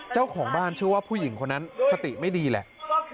เจ้าของบ้านชื่อว่าผู้หญิงคนนั้นสติไม่ดีแหละ